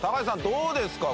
どうですか？